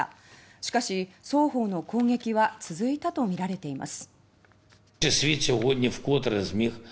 しかし、双方の攻撃は続いたとみられています。